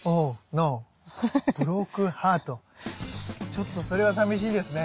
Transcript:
ちょっとそれはさみしいですね。